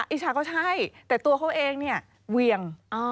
อิชาก็ใช่แต่ตัวเขาเองเนี่ยเวียง